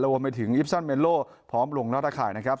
รวมไปถึงอิปซอนเมโลพร้อมลงหน้าตะข่ายนะครับ